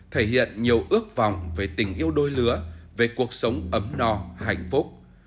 thể hiện nhiều ước vọng về tình yêu đôi lứa về cuộc sống ấm no hạnh phúc